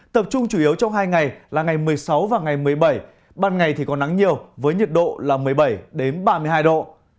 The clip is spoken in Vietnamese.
tập trung chủ yếu trong hai ngày là ngày một mươi sáu và ngày một mươi bảy ban ngày thì có nắng nhiều với nhiệt độ là một mươi bảy ba mươi hai độ